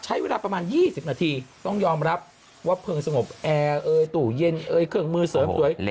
ใช้เวลาประมาณ๒๐นาทีต้องยอมรับว่าเพลิงสงบแอร์เอยตู้เย็นเอ่ยเครื่องมือเสริมสวย